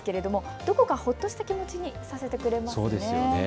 どこかほっとした気持ちにさせてくれますね。